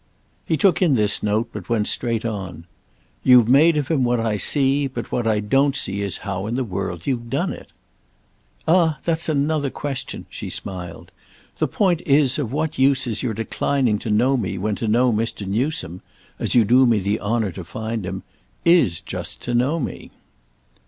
He took in this note but went straight on. "You've made of him what I see, but what I don't see is how in the world you've done it." "Ah that's another question!" she smiled. "The point is of what use is your declining to know me when to know Mr. Newsome—as you do me the honour to find him—is just to know me."